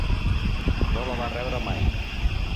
No la va rebre mai.